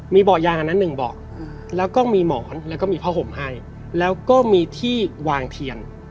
มีบ่อยางอันนั้นหนึ่งบอกแล้วก็มีหมอนแล้วก็มีผ้าห่มให้แล้วก็มีที่วางเทียน